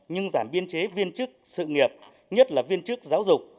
nhưng giảm biên chế viên chức sự nghiệp nhất là viên chức giáo dục